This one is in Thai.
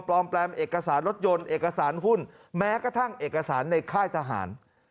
อมแปมเอกสารรถยนต์เอกสารหุ้นแม้กระทั่งเอกสารในค่ายทหาร